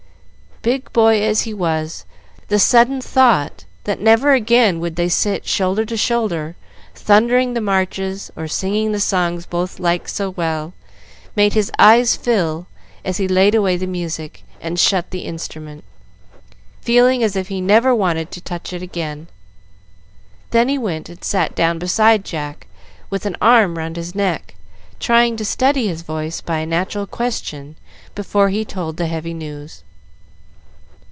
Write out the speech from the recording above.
Big boy as he was, the sudden thought that never again would they sit shoulder to shoulder, thundering the marches or singing the songs both liked so well, made his eyes fill as he laid away the music, and shut the instrument, feeling as if he never wanted to touch it again. Then he went and sat down beside Jack with an arm round his neck, trying to steady his voice by a natural question before he told the heavy news.